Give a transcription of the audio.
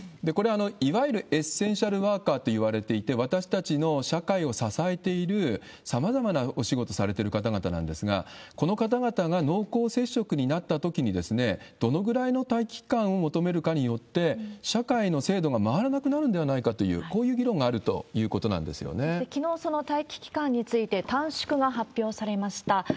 これ、いわゆるエッセンシャルワーカーといわれていて、私たちの社会を支えている、さまざまなお仕事されてる方々なんですが、この方々が濃厚接触になったときにどのぐらいの待機期間を求めるかによって、社会の制度が回らなくなるんではないかという、こういう議論があきのう、その待期期間について短縮が発表されました。